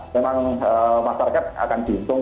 memang masyarakat akan bintung